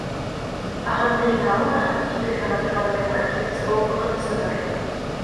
Ағымды еңә алмаһаҡ, ике кәмә торған урынға килеп сығыу ҡурҡынысы бар.